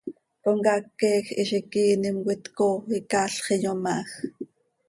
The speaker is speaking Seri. Comcaac queeej hizi quiinim coi tcooo icaalx iyomaaj.